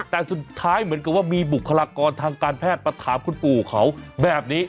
แต่สุดท้ายเหมือนกับว่ามีบุคลากรทางการแพทย์มาถามคุณปู่เขาแบบนี้